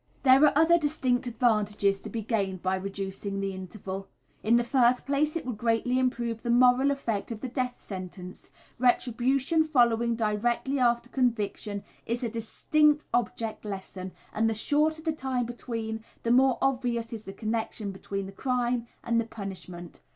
There are other distinct advantages to be gained by reducing the interval. In the first place it would greatly improve the moral effect of the death sentence. Retribution following directly after conviction is a distinct object lesson, and the shorter the time between, the more obvious is the connection between the crime and the punishment.